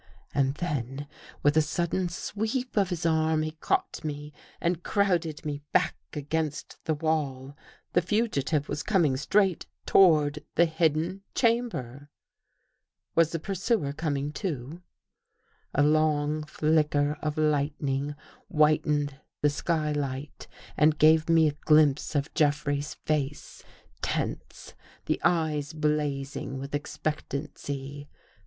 And then, with a sudden sweep of his arm, he caught me and crowded me back against the wall. The fugitive was coming straight toward the hidden chamber. Was the pursuer coming, too? A long flicker of lightning whitened the sky light and gave me a glimpse of Jeffrey's face — tense, the eyes blazing with expectancy.